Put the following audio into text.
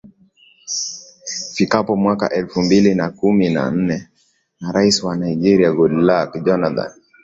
fikapo mwaka elfu mbili na kumi na nne na rais wa nigeria goodluck jonathan